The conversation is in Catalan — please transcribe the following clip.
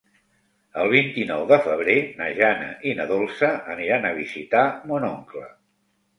El vint-i-nou de febrer na Jana i na Dolça aniran a visitar mon oncle.